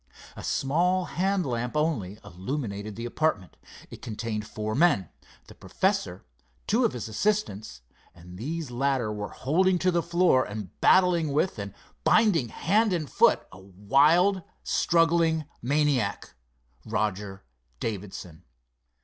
A small hand lamp only illuminated the apartment. It contained four men, the professor, two of his assistants, and these latter were holding to the floor and battling with and binding hand and foot a wild, struggling maniac—Roger Davidson.